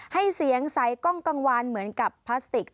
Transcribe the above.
ให้เสียงใสกล้องกลางวานเหมือนกับพลาสติก